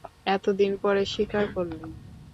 এত দিন পরে স্বীকার করলে!